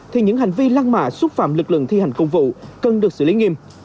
thì những hành vi lăng mạ xúc phạm lực lượng thi hành công vụ cần được xử lý nghiêm